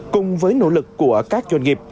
cùng với nỗ lực của các doanh nghiệp